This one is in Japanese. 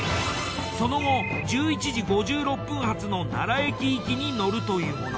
その後１１時５６分発の奈良駅行きに乗るというもの。